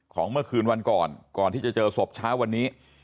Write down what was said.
ของเมื่อคืนวันก่อนก่อนที่จะเจอศพเช้าวันนี้